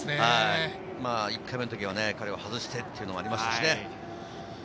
１回目の時は、彼は外してっていうのもありましたしね。